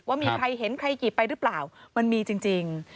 ว่ามีใครเห็นใครหยิบไปหรือเปล่ามันมีจริง